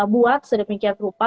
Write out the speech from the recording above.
buat sedemikian rupa